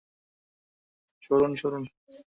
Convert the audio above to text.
সরুন, সরুন!